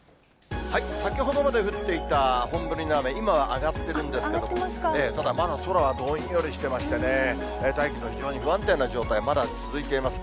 先ほどまで降っていた本降りの雨、今は上がってるんですけど、ただ、まだ空はどんよりしていましてね、大気の非常に不安定な状態、まだ続いています。